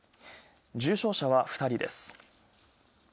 重症者は２人です。